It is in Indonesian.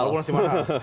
walaupun masih mahal